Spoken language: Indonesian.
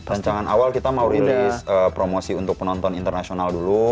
rancangan awal kita mau rilis promosi untuk penonton internasional dulu